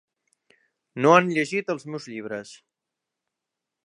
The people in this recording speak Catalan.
No han llegit els meus llibres.